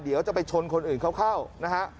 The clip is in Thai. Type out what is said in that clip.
เดี๋ยวจะไปชนคนอื่นเขาเข้านะฮะ